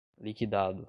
liquidado